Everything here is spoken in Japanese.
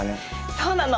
そうなの。